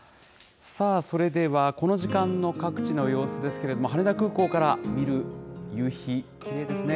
さあそれでは、この時間の各地の様子ですけれども、羽田空港から見る夕日、きれいですね。